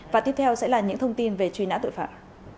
và tiếp theo sẽ là những thông tin về truy nã tội phạm